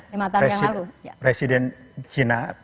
lima tahun yang lalu